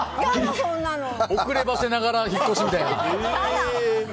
遅ればせながら引っ越しみたいな。